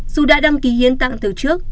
dù đã đăng ký hiến tặng từ trước